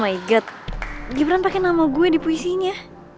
oh my god gibran pake nama gue di puisinya